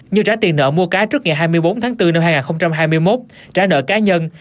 như trả tiền nợ mua cá trước ngày hai mươi bốn tháng bốn năm hai nghìn hai mươi một trả nợ cá nhân